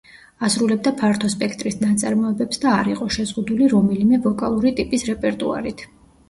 ასრულებდა ფართო სპექტრის ნაწარმოებებს და არ იყო შეზღუდული რომელიმე ვოკალური ტიპის რეპერტუარით.